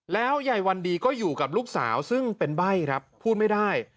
แล้วยายวันดีก็อยู่กับลูกสาวซึ่งเป็นใบ้ครับพูดไม่ได้